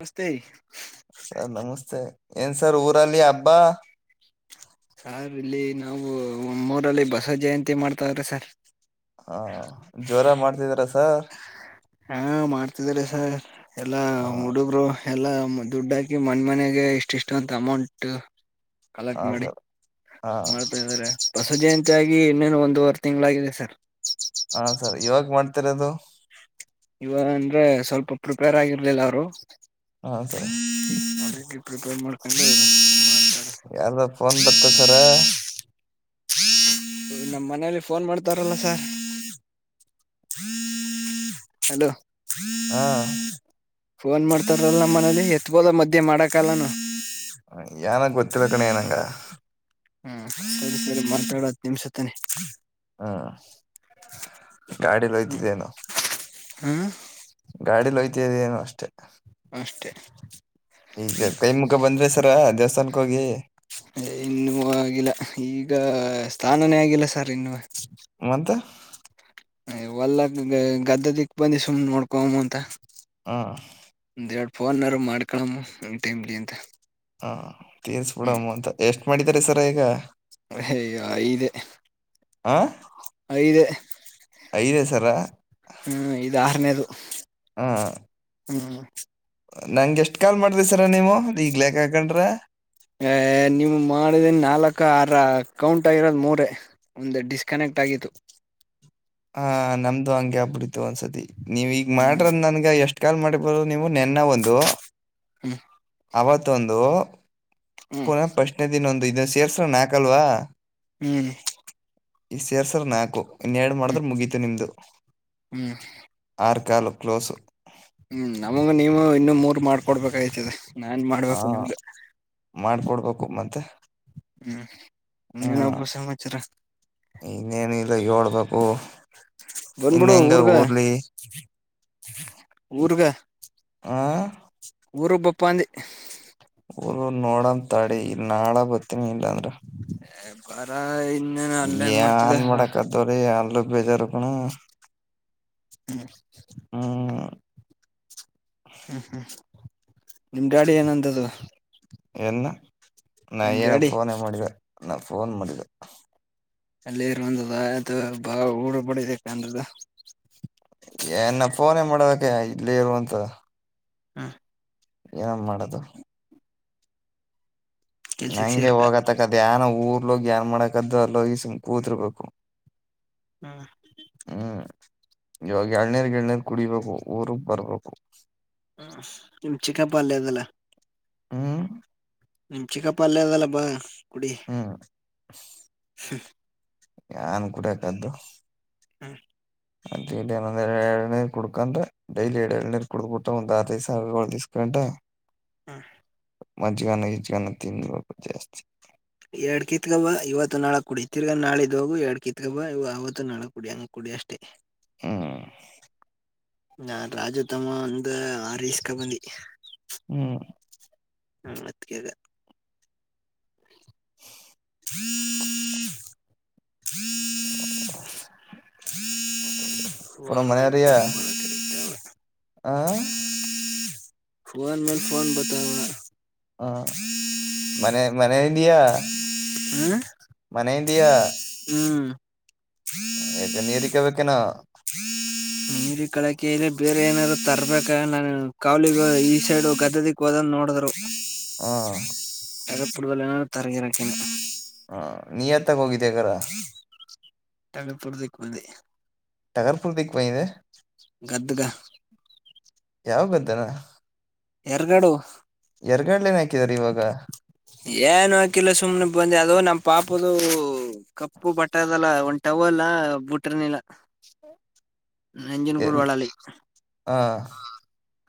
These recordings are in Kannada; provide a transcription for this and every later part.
ನಮಸ್ತೆ ಸರ್ ನಮಸ್ತೆ, ಏನ್ ಸರ್ ಊರಲ್ಲಿ ಹಬ್ಬಾ ಸಾರ್ ಇಲ್ಲಿ ನಾವು ಒ ಮೂೂರಲ್ಲಿ ಬಸವ ಜಯಂತಿ ಮಾಡ್ತವ್ರೆ ಸರ್ ಹಾ ಜೋರಾಗ್ ಮಾಡ್ತಿದ್ದೀರಾ ಸರ್? ಹಾ ಮಾಡ್ತ ಎದರಸ [inaudible] ಎಲ್ಲಾ ಹ ಹುಡಗರು ಇಲ್ಲಾ ಹುಡಗರು ದುಡ್ಡ ಹಾಕಿ ಮನೆ ಮನೆಗೆ ಇಷ್ಟಿಷ್ಟೊಂತ ಅಂತ್ತ ಅಮೌಂಟ್ ಹಕ್ಕಿ ಕಲೆಕ್ಟ್ ಹಾ ಮಾಡಿ, ಸರ್ ಹಾ ಮಾಡ್ತಾ ಇದಾರೆ. ಬಸ ಜಯಂತಿಯಗಿ ಇನ್ನೇನು ಒಂದೂವರೆ ತಿಂಗಳಾಗಿದೆ ಸರ್ ಎತ್ತರದು [inaudible] ಇವಗಾ ಅಂದ್ರೆ ಸ್ವಲ್ಪ ಪ್ರಿಪೇರ್ ಆಗಿರ್ಲಿಲ್ಲ ಅವರು ಹಾ ಸರ್ ಪ್ರಿಪೇರ್ ಮಾಡ್ಕೊಂಡು ಯಾರ್ದ ಫೋನ್ ಬತ್ತ ಸರ ನಮ್ಮ್ ಮನೆಯಲ್ಲಿ ಫೋನ್ ಮಾಡ್ತಾರಲ್ಲ ಸಾರ್ ಅಲೋ ಹಾಂ ಫೋನ್ ಮಾಡ್ತಾರಲ್ಲ ಮನೆಲಿ ಎತ್ಕೋದ ಮಧ್ಯೆ ಮಾಡಕಲ್ಲಾನು ಹ ಏನಾಗ ಗೊತ್ತಿಲ್ಲ ಸುಮನೆ ಹು ಸರಿ ಸರಿ ಹತ್ತು ನೀಮಿಸ್ ಮಾತಾಡೋನಾ ಹ್ಮ್ ಗಾಡಿ ಯಲ್ಲಿಹೊತ್ತ ಇದಿಯಾ ಹೂ ಗಾಡಿಲೋಯ್ ಇದದ ಏನು ಅಷ್ಟೇ [unintelligible] ಅಷ್ಟೇ ಈವಾಗ ಸರ ದೇವಸ್ಥಾನಕ್ಕೆ ಹೋಗಿ ದೇವರಿಗೆ ಕೈ ನಮಸ್ಕಾರ ಮಾಡಿ ಬಂದ್ದಿ ದಿದ್ದರಲ್ಲ ಸರ್ ಸ್ಥಾನಾನೇ ಆಗಿಲ್ಲ ಸರ್ ಇನ್ನುವೆ ಮಂತ ವಲ್ಲ [unintelligible] ಗದ್ದದಿಕ್ ಬಂದಿ ಸುಮ್ನ್ ನೋಡ್ಕೊ ಅಂತ. ಹ ಫೋನ್ರರು ಮಾಡ್ಕೊಮ್ಮ ಟೈಮ್ಲಿ ಅಂತ ಹ ತೀರ್ಸ್ಬಿಡಮ್ಮ ಅಂತ ಎಷ್ಟು ಮಾಡಿದಿದ್ದಾರೆ ಸರ ಈಗ ಹೇಯ ಐದೆ ಹ ಐದೆ ಐದೇ ಸರ ಹ್ಮ್ ಇದು ಹುಂ ಹ್ಮ ನಂಗೆಷ್ಟ್ ಕಾಲ್ ಮಾಡ್ದಿ ಸರ ನೀವು, ಈಗ್ಲೆಕ್ಕ ಹಾಕಂಡ್ರೆ ಹೇ ನಿಮ್ಗ್ ಮಾಡಿದಿನ್ ನಾಲ್ಕ ಆ ರ ಅಕೌಂಟ್ ಆಗಿರೋದು ಮೂರ ಒಂದು ಡಿಸ್ಕನೆಕ್ಟ್ ಆಗಿತ್ತು ಹಾ ನಮ್ದು ಹಂಗೆಬ್ ಒಂದಸತಿ ನೀವ ಈಗ ಹ್ಮ್ ಮಾಡ್ರದ ನನ್ಗ ಎಷ್ಟು ಕಾಲ್ ಮಾಡಿಬೋದು ನೀವು ನೆನ್ನ ಒಂದು ಹ್ಮ್ ಅವತ್ತೊಂದು ಹ್ಮ್ ಪುನಃ ಪ್ರಶ್ನೆ ದಿನೊಂದೈತಿ ಇದ ಸೇರ್ಸ ನಾಕಲ್ವಾ? ಹ್ಮ್ ಈ ಸೇರ್ ಸರ್ ನಾಕೋ ಹ್ಮ್ ಮುಗೀತು ನಿಮ್ದು ಹ್ಮ್ ಆರ್ ಕಲು ಕ್ಲೋಸು ಹ್ಮ್ ನಮಗ ನೀವು ಇನ್ನು ಮೂರ್ ಮಾಡ್ಕೊಡ್ಬೇಕಾಯ್ತದೆ ನಾನ್ ಹಾ ಮಾಡ್ಬೇಕು ನಿಮ್ಗೆ ಮಾಡ್ಕೊಡ್ಬೇಕು ಮತ್ತೆ ಹ್ಮ್ ಹ್ಮ ಇನ್ನೇನಪ್ಪ ಸಮಾಚಾರ ಇನ್ನೇನಿಲ್ಲ ಹಳ್ಬೇಕು ಓಹ್ ಬಂದ್ಬಿಡು ಇನ್ನೆಂಗ ಊರ್ಗ ಊರ್ಲಿ, ಊರ್ಗ ಹಾ ಬಂದ ಊರು ನೋಡ ತಾಡಿ ಇ ನಾಳ ಬರ್ತನಿ ಇಲ್ಲಾಂದ್ರ ಎ ಬಾರ ಇನ್ ಏನ್ ಮಾಡಕತ್ತಾರೆ ಯಲ್ರು ಬೇಜಾರಕಣೋ ಹ್ಮ್ ಹ್ಮ್ ಹ್ಮ್ ನಿಮ ಡಾಡಿ ಏನಂದ್ದು ಎನ್ನ ನಾ ಏನ ಫೋನೇ ಮಾಡಿದೆ ನ ಫೋನ್ ಮಾಡಿದ. ಅಲ್ಲಿ ಇರುವಂದ್ದ ಅದು ಬಾ ೂಡುಬಡಬೇಕಂದ್ದ ಏನ್ ಫೋನ್ ಮಾಡೋದ ಅ ಇಲ್ಲಿ ಒಂದ್ ಹಾ ಏನನ್ ಮಾಡದು ಕೆಲ್ಸಕ್ ನಂಗೆ ಸೇರ್ಕ ಹೋಗತಕ್ಕದಾನ ಊರ್ಲೋಗಿ ಏನ್ ಮಾಡಕದ್ದು ಅಲ್ಲೋ ಈ ಸುಮ್ ಕೂದರ್ಬೇಕು ಹಾ ಇವಾಗ ಎಲ್ನೀರ್ ಗಿಲ್ನೀರ್ ಕುಡಿಬೇಕು ಊರ್ಗ್ ಬರ್ಬೇಕು. ನಿಮ್ ಚಿಕ್ಕಪ್ಪ ಅಲ್ಲ ಅದೆಲ್ಲ ಹ್ಮ್ ನಿಮ್ಮ ಚಿಕಪ್ಪ ಅಲ್ಲೇ ಇದಲ್ಲಪ ಕುಡಿಯ ಹ್ಮ್ ಯನ್ ಕೂಡಕ್ದು ಹ್ಮ ಅಂದ ಎರ ಎರಡನೇರ್ ಕುಡ್ಕಂದ್ ಡೈಲಿ ಎರಡ್ ಎಏಡನರ್ ಕುಡ್ಬಿಟ್ಟ್ ಒಂದ ಆರಡಿಸ ಸಾವಿ ಒಸಕೊಂಡು ಹಾ ಮ್ೆ ಗಾನ ಈಜ ಗಾನ ತೀನ್ ದಿವ ಬ ಜಾಸ್ತಿ ಎರಡ್ ಕಿತ್ಕಬಾ ಇವತ್ತು ನಾಳಕ್ ಕುಡಿ ತಿರ್ಗಾ ನಾಳಿದ್ದ ಹೋಗು ಎರಡ್ ಕಿತ್ಕಬಾ ಇವ ಅವವತ್ತು ನಾಳಕ್ ಕುಡಿ ಹಂಗ ಕುಡಿ ಅಷ್ಟೇ ಹ್ಮ್ ನಾ ರಾಜು ತಮ್ಮ ಅಂದು ಆರ್ ಇಸ್ಕೊಂಡ್ ಬಂದಿ ಹ್ಮ್ ಹಾ ಅದಕಗ [inaudible] ಹ್ಮ್ [inaudible] ಪುನ ಫನ್ ಮ್ಯಲ್ ಮನೆಯವರಿಯ ಫೋನ್ ಮಾಡಕ್ಕೆಹತ್ತವೆ ಆ ಫೋನ್ ಮೇಲ್ ಫೋನ್ ಬತಾವ ಹಾ ಮನೆ ಮನೆಲ್ಲಿಯಾ. ಹ್ಮ ಮನೆೆಯಿಂದಿಯಾ ಯಕ ಏರಿಕಬೇಕಕ್ಕೆನ ನೀರಿ ಕಳಕಲ್ಲಿ ಬೇರೆ ಏನಾದ್ರು ತರ್ಬೇಕ ನಾನು ಕಾವಲಿಗ ಈ ಸೈಡ್ ಗದದಕ್ ಹೋದ್ ನೋಡಿದ್ರು ಹಾ ರಪ್ಪಡ್ಬಲ್ಲನ ತರಗಿರಕ್ಕ ಹ ನಿಯತ್ತಾಗ ಹೋಗ [unintelligible] ಟಗಪುಡದಕ್ಕಂದೆ [unintelligible] ಗದ್ದುಗ ಯಾವಾಗ್ದಾರ ಎರ್ಗಡು ಹಾಕಿದಾರ ಇವಾಗ ಏನುೋ ಕಲ್ಲ ಸುಮ್ಮ್ನೆ ಬಂದೆ ಅದೋ ನಮ್ಮ ಪಪಗಳು ಕಪ್ಪು ಬಟ್ಟ ಅದೆಲ್ಲ ಒಂಟ ಟವ ಅಲ್ಲಾ ಬುಟ್ರನಲ್ಲ ನಂಜನ್ ಕೂಡ ಎಲ್ ಒಳಾಲಿ ಹ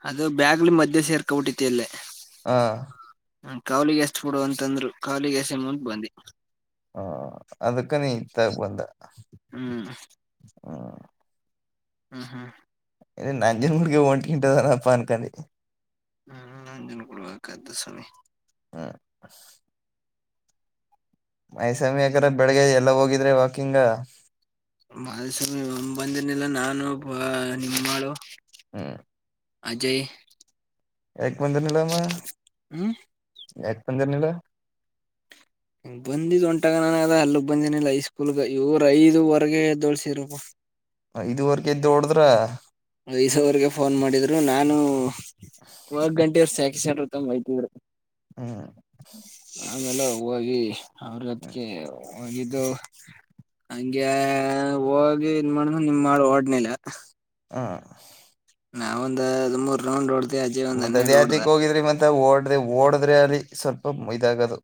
ಅದು ಬ್ಯಾಗ್ಲಿ ಮಧ್ಯೆ ಸೇರ್ಕಬಿಟ್ಟೈತಿ ಅಲ್ಲೇ ಹಾ ಕಾವ್ಲಿಿಗೆ ಎಷ್ಟ ಕೊಡುವ ಅಂತಂದ್ರು ಕಾವ್ಲಿಿಗೆ ಎಷ್ಟ ಅಮೌಂಟ್ ಬಂದಿ ಹ್ಮ ಅದಕ್ಕ ನೀ ತಗ ಬಂದ ಹ್ಮ್ ಹ್ಮ್ ಹ್ಮ ಹಾ ಇ ನಂಜನ್ಮಡಗೆ ಒಂಟಕಟದನಪ್ಪ ಅನ್ಕಿ ಹ್ಮ್ ನಂಜಿನ ಕೊಡ್ಬೇಕ್ದ ಸರಿಿ ಹ್ಮ ಮೈಸಾಮಿ ಹ್ಮ್. ಅಕ ಬೆಳಗ್ಗೆ ಎಲ್ಲ ಎಲ್ಲ ಹೋಗಿದ್ರೆ ವಾಕಿಂಗ್ ಬಾಲಸ್ವಾಮಿ ಒ ಬಂದನಿಲ್ಲ ನಾನು ಬ ನಿಮ್ಮಾಳು ಹ್ಮ ಅಜಯ್ ಹ ಒಂದನಲಾಮ ಹ್ಮ್ ಎಪ್ಪಂದಂತನಿಲ್ಲ ಹ ಬಂದಿದ್ ಒಂಟಾಗ ನಾನ ಅದ ಅಲ್ಲಿಗ್ ಬಂದನಿಲ್ಲ ಐ ಸ್ಕೂಲ್ಗ ಇವ್ರ ಐದುವರೆಗೆ ಎದ್ದೋಳ್ಸಿದ್ರಪ್ಪ ಇದದುವರೆಗ ಇದ್ದೋಡದ್ರ ವಯಸವರೆಗೆ ಫೋನ್ ಮಾಡಿದ್ರು ನಾನು ಒ ಗಂಟೆ ತಂಬಐತಿದ್ರು ಹ್ಮ್ ಆಮೇಲೆ ಹವಾಗಿ ಅವ್ರ ಅದಕ್ಕೆ ಒಳ್ಳದು ಹಂಗಗೆ ವ ನನ್ ಮಾಡ ನಿಮ ಮಾಡ ಡ್ನಲ್ಲ ಹ ನಾವ ಒಂದ ಹದ್ಮೂರು ರೌಂಡ್ ಓಡ್ದ್ ಮತ್ತೆ ಅ ದೇಥಕ್ ಹೋಗಿದ್ರಿ ಮತ್ತೆ ಓಡ್ರೆ ಓಡದ್ರೆ ಅಲ್ಲಿ ಸ್ವಲ್ಪ ಮೈ್ದಾಗದು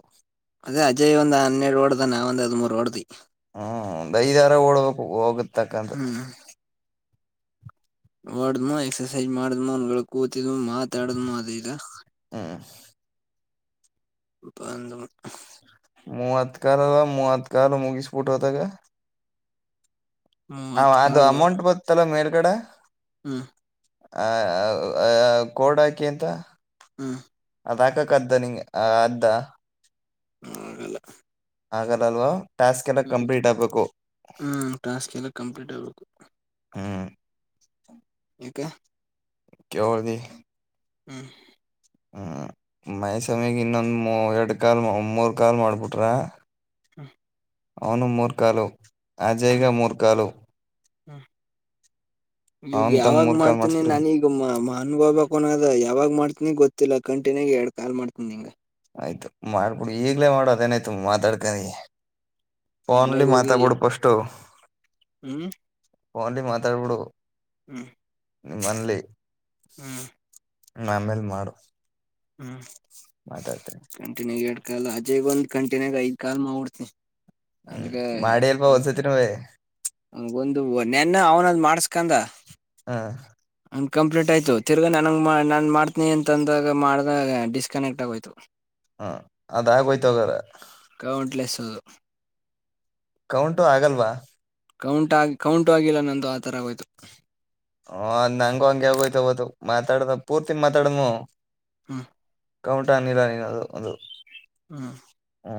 ಅದೇ ಅಜಯ್ ಒಂದ್ ಹನ್ನೆರಡು ಓಡ್ದಾನ, ನಾ ಒಂದ್ ಹದ್ಮೂರ್ ಓಡ್ದಿ. [unintelligible] [inaudible] ಓಡ್್ಮ ಎಕ್ಸರ್ಸೈಜ ಮಾಡಿದ್್ಮ ಒನ್ ಕೂತಿದ್ ಮಾತಾಡದ್್ಮ ಅ ಇಲ್ಲ ಹ್ಮ ಬಂದು ಮೂವತ್ಕಾರಲ್ಲ, ಮೂವತ್ಕಾರಾಲ ಮುಗಿಸ್ಬೂಟ್ ಅತಗೆ ಹ ಮೂವತ್ ಅದು ಅಮೌಂಟ್ ಬತ್ತಲ್ಲ ಮೇ ಎಡೆ ಹ್ಮ ಆ ಅ ಆ ಕೋಡಾಕಿ ಎಂತ ಹ್ಮ ಅದ ಹಾಕಕ್ಕ ಅದ್ದ ನಿಂಗ ಅದ್ದ ಆಗಲ್ಲ ಆಗಲ್ಲ ಅಲ್ವಾ ಟಾಸ್ಕ್ ಎಲ್ಲ ಹ್ಮ್ ಕಂಪ್ಲೀಟ್ ಆಗ್ಬೇಕು ಹ್ಮ್ ಟಾಸ್ಕ್ ಎಲ್ಲ ಕಂಪ್ಲೀಟ್ ಆಗ್ಬೇಕು ಹ್ಮ್ ಏಕೆ [unintelligible] ಹ್ಮ ಹ್ಮ ಮೈಸಮಗ್ ಇನ್ನೊಂದು ಮೂ ಎರಡ್ ಕಾಲ್ ಮೂರ್ ಕಾಲ್ ಮಾಡ್ಬಿಟ್ರೆ ಹ್ಮ ಅವನು ಮೂರ್ಖಲು ಅಜಯಗ ಮೂರ್ಖಲು ಹಾ ಈಗ ತಮ್ಮ ಯಾವಾಗ್ ಮೂರ್ ಕಾಲ್ ಮಾಡ್ತನಿ ಮಾಡ್ಸ್ಬಿಡಿ ನಾನೀಗ ಮಾನುಭಾಬಕ್ಕನದ ಯಾವಾಗ್ ಮಾಡ್ತೀನಿ ಗೊತ್ತಿಲ್ಲ ಕಂಟಿನ್ಯಿ ಎರಡ್ ಕಾ ಮಾಡ್ತನಿಂಗ ಆಯ್ತು ಮಾಡ್ಕೊಡು ಈಗ್ಲೇ ಮಾಡು ಅದೇನಾಯ್ತು ಮಾತಾಡ್ಕನಿ ಫೋನ್ ನ್ಲಿ ಮನೆಗ್ ಹೋಗಿ ಮಾತಾಬಿಡ್ಫಷ್ಟು ಹ್ಮ್ ಫನ್ಲಿ ಮಾತಾಡಬುಡು ಹ್ಮ್ ನಿಮ್ಮಲ್ಲಿ ಹ್ಮ್ ಆಮೇಲ್ ಮಾಡು ಹ್ಮ್ ಮಾತಾಡ್ತೀನಿ ಕಂಟಿನ್ಯೂ ಗಡ್ ಕಲ್ಲ ಅಜೆಗ ಒಂದು ಕಂಟನ್ಾಗ ದ್ ಕಲ್ ಮಾಡ್ಿಡ್ತಿ ಹ್ಮ್ ಮಾಡಿ ಅಲ್ವಾ ಒಸತಿಿನವೇ ಹ ಒಂದು ನೆನ್ನ ಅವನದ ಮಾಡಸ್ಕಂದ ಹ ಕಂಪ್ಲೀಟ್ ಆಯ್ತು ತಿರ್ಗಾ ನನಗೆ ನಾನು ಮಾಡ್ತೀನಿ ಅಂತಂದಾಗ ಮಾಡ್ದಾಗ ಡಿಸ್ಕನೆಕ್ಟ್ ಆಗೋಯ್ತು ಹ್ಮ ಅದಾಗೋಯ್ತೋಗಾರ ಕೌಂಟ್ಲೆಸ್ ಅದು ಕೌಂಟು ಆಗಲ್ವಾ ಕೌಂಟ್ ಆಗಿ ಕೌಂಟು ಆಗಿಲ್ಲ ನಂದು ಆ ತರ ಹೋಯ್ತು ಹ ಅ ನಂಗ ಹಂಗಗೆ ಆಗೋಯ್ತವದು ಮಾತಾಡ್ದ ಪೂರ್ತಿ ಮಾತಾಡ್ನು ಹಾ ಕೌಂಟ ಅನಿಲ್ಲ ನೀನ ಅದು ಅದು ಹ್ಮ ಹಾ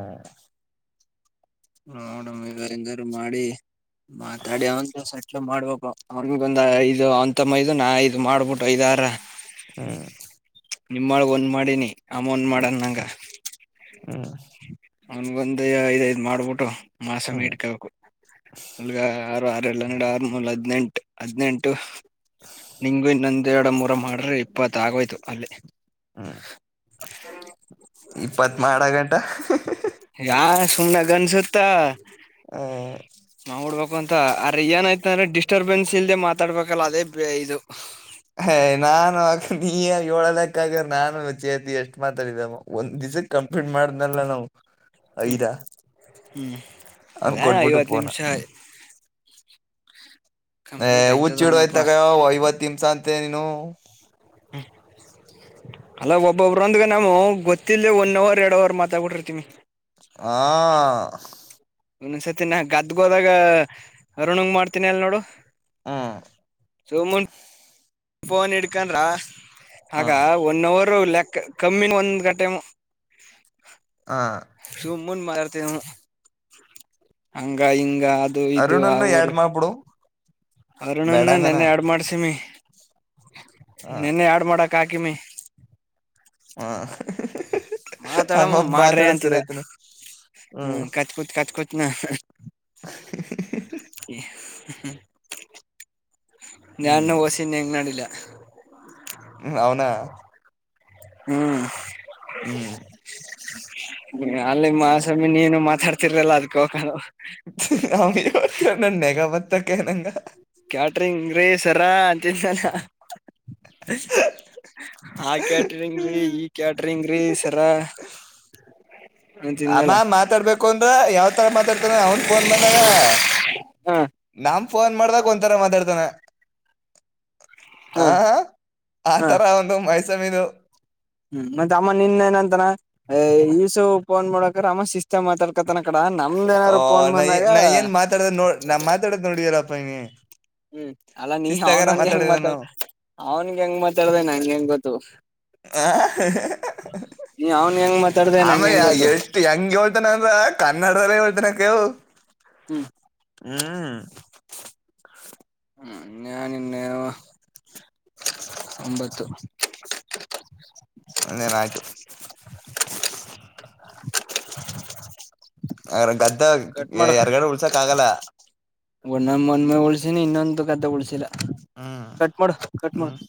ನೋಡ ಇವ ಎಂಗಾರು ಮಾಡಿ ಮತಾಡ ಅವನ್ತಸ ಮಾಡ್ಬೇಕು ಅವ್ರಗೊಂದ ಇದು ಅಂತಮ್ಮ ಇದು ನಾ ಇದು ಮಾಡ್ಬಿಟ್ಟು ಐದಾರ [inaudible] ಹ್ಮ್ ನಿಮ್ಮಳಗ ಒಂದ್ ಮಾಡಿನಿ ಅಮನ್ ಮಾಡಣ ನಂಗ ಹ್ಮ್ ಹ್ಮ್ ಅವನ್ ಮುಂದೆ ಐದ್ ಐದ್ ಮಾಡ್ಬಿಟ್ಟು ಮಾಸ ಹ್ಮ್ ವೇಟಕಬೇಕ ನಲ್ಗ ಆರು ಆರಲ್ಲ ಒಂದ್ ಆರುನೂರು ಹದಿನೆಂಟು ಹದಿನೆಂಟು ನಿಂಗು ಇನ್ನಂದ್ ಎರಡು ಮೂರ ಮಾಡಿದ್ರೆ ಇಪ್ಪತ್ತ ಆಗೋಯ್ತು ಅಲ್ಲೇ ಹ್ಮ್ ಇಪ್ಪತ್ ಮಾಡ ಗಂಟ ಯಾರ್ ತುಮನ ಗನ್ ಸುತ್ತ ನೌಡ್ಬೇಕ್ ಅಂತ ಅ್ರ ಏನಾಯ್ತ ಅಂದ್ರೆ ಡಿಸ್ಟರ್ಬೆನ್ಸ್ ಇಲ್ದೆ ಮಾತಾಡ್ಬೇಕಲ್ಲ ಅದೇ ಇದು ಹ ನಾನು ಆಕ ನೀ ಯಾಕ್ ಏಳದಕ್ಕಗ ನಾನು ವಿ ಚೇತಿ ಎಷ್ಟ್ ಮಾತಾಡಿದಮ್ಮ ಒಂದ್ ದಿವಸ ಕಂಪ್ಲೀಟ್ ಮಾಡನಲ್ಲ ನಾವು ಹ್ಮ್ ಐದ ಹ್ಮ್ ಅದ ಅವ್ನ್ ಕೊಟ್ಬಿಟ್ಟು ಐವತ್ ಫೋನ ನಿಮ್ಷ ಆಯ್ತದನಪ್ಪಾ ಹುಚ್ಚಿಡೋಯ್ತಾಗ ಐವತ್ತು ನಿಮಿಷ ಅಂ ಮತ್ತೆ ನೀನು ಹ್ಮ ಅಲ್ಲ ಒಬ್ಬೊಬ್ರೊಂದ್ಗ ನಾಮ ಗೊತ್ತಿಲ್ಲದೆ ಒನ್ ಅವರ್ ಎರಡ್ ಅವರ್ ಮಾತಾಬಟಿರ್ತಿನಿ ಆ ಇನ್ನೊಂದು ಸತಿ ನಾ ಗದ್ದ್ಗ ಹೋದಾಗ ಅರುಣಂಗ ಮಾಡ್ತನಿ ಅಲ್ ನೋಡು ಹ್ಮ್ ಸೊಮುನ್ ಫೋನ್ ಹಿಡ್ಕೊಂರ ಹ ಆಗ ಒನ್ ಅವರ್ ಲೆಕ್ಕ ಕಮ್ಮಿನ ಒಂದ್ ಗಂಟೆ ಹ ಹ ಸು ಮುನ್ ಮಾಡತೇ ಹಂಗ ಇಂಗ ಅರುಣನ್ನು ಎರಡು ಮಾ ಬಿಡು ಅರುಣನ್ನ ನೆನೆ ಆಡ್ ಮಾಡ್ಸಿಮಿ ಹ [inaudible] ನಿೆನ್ನೆ ಯಾಡ್ ಮಾಡಕ ಕಾಕಮಿ ಹಾ [unintelligible] ಮಾತಾಡಮ್ಮ ಮಾಡ್ರಿ ಅಂತಿದ ಹ್ಮ್ ಕತ್ ಕುೂತ್ ಕತ್ ಕುೂತ್ನಾ ಹ ಹ್ [unintelligible] ನಾನು ವಸನ್ ಹೆಂಗ್ ನಡಿಲಿ ಹ್ಮ ಅವೌನಾ ಹ್ಮ್ ಹ್ಮ್ ಅಲ್ಲಿ ಮಾಸ್ವಾಮಿ ನೀನು ಮಾತಾಡ್ತಿರ್ಲಲ್ಲ ಅದಕ ಹೋಗಕ ನ ಅವತನ್ನ ನೆಗ ಪತ್ತ ಕನಂಗ ಂತ ಆ ಕ್ಯಾಟ್ರಿಂಗೀ ಈ ಕ್ಯಾಟ್ರಿ ಂಗ್ರೀ ಸರಾ ಅಮ್ಮ ಮಾತಾಡ್ಬೇಕು ಅಂದ್ರ ಯಾವ್ತರ ಮಾತಾಡ್ತಾನ ಅವನ್ ಫೋನ್ ಬಂದಾಗ ಹಾ ನಮ ಫೋನ್ ಮಾಡ್ದಕ್ ಒಂಥರ ಮಾತಾಡ್ತಾನೆ ಹಾ ಹ ಆ ಹಾ ತರ ಒಂದು ಮೈಸೂ ಸಮೀದು ಹ್ಮ್ ಮತ್ತೆ ಅಮ್ಮ ನಿನ್ನ ಏನಂತಾನ ಈ ಸವ ಪೊನ್ ಮಾಡೋಕ್ರ ಆಮ್ಮ ಸಿಸ್ಟಮ್ತಾಡ್ಕತ ಹ ನ ನಾ ಏನ್ ಮಾತಾಡದ ನೋ ನಾ ಮಾತಾಡದ್ ನೋಡಿದರಪ್ಪ ನೀ ಹ್ಮ್ ಅಲ್ಲಾ ನೀ ಶಿಸ್ತಾಗಾರ ಅವನಂದ ಹೆಂಗ್ ಮಾತಾಡ ಮಾತಾಡಿದನು ಅವನ್ಿಗೆ ಹೆಂಗ್ ಮಾತಾಡ್ದ ನಂ ಹೆಂಗ ಗೊತ್ತು ನೀ ಅವನ್ ಹೆಂಗ ಮಾತ ಆಮೇ ಎಷ್ಟ್ ಹೆಂಗ ಹೇಳ್ತಾನಂದ ಕನ್ನಡಲ್ಲ ಹಳ್ತನ ಕವು ಹ್ಮ್ ಹ್ಮ್ ಹ್ಮ ನ್ ಇನ್ನೆ ಒಂಬತ್ತು ಅಂದೇನ ಆಯ್ತು ಅ್ರ ಗದ್ ತಾಗ್ ಕಟ್ ಯ ಎರ್ಗಡೆ ಉಳ್ಸಕ್ ಆಗಲ್ಲ ಒ್ಣ ಮೊನ್ ಮೇ ಉಳ್ಸಿನಿ ಇನ್ನೊಂದು ಗದ್ದೆ ಉಳ್ಸಿಲ್ಲ ಹ್ಮ್ ಕಟ್ಮಾಡು ಹ್ಮ್ ಕಟ್ಮಾಡು